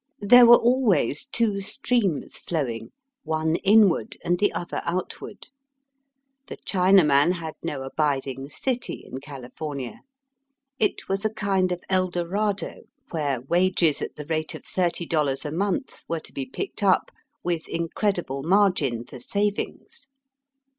There were always two streams flowing, one in ward and the other outward. The China man had no abiding city in California. It Digitized by VjOOQIC 136 EAST BY WEST. was a kind of El Dorado, where wages at the rate of thirty dollars a month were to be picked up, with incredible margin for savings.